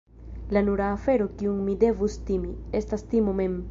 La nura afero kiun ni devus timi, estas timo mem!